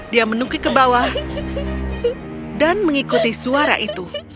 dia menukik ke bawah dan mengikuti suara itu